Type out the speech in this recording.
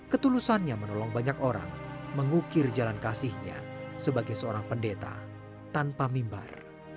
ketulusannya menolong banyak orang mengukir jalan kasihnya sebagai seorang pendeta tanpa mimbar